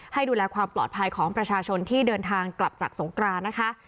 ให้ดูแลความปลอดภัยของประชาชนที่เดินทางกลับจากสงกรานนะคะ